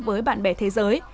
với bạn bè thế giới